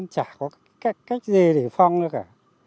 chả có cách gì để phong nữa cả